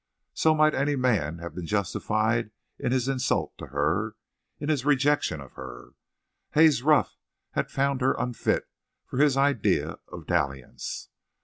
So might any man have been justified in his insult to her, in his rejection of her. Haze Ruff had found her unfit for his idea of dalliance.